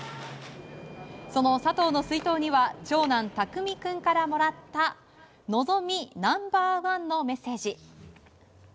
その佐藤の水筒には長男・匠君からもらった希望ナンバーワンのメッセージ。